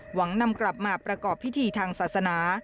นำกลับมาประกอบพิธีทางศาสนา